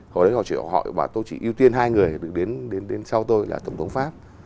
hồi đấy họ chỉ hỏi và tôi chỉ ưu tiên hai người được đến sau tôi là tổng thống pháp